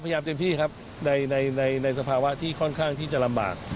เต็มที่ครับในสภาวะที่ค่อนข้างที่จะลำบาก